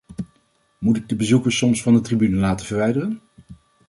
Moet ik de bezoekers soms van de tribune laten verwijderen?